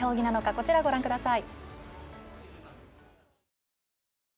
こちらご覧ください。